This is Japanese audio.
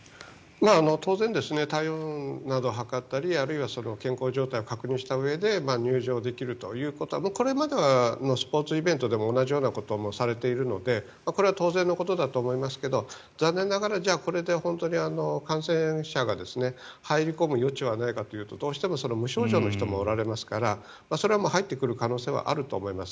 当然、体温などを測ったり健康状態を確認したうえで入場できるということはこれまでのスポーツイベントでも同じようなことをされているのでこれは当然のことだと思いますけど残念ながらこれで本当に感染者が入り込む余地はないかというとどうしても無症状の人もおられますからそれはもう、入ってくる可能性はあると思います。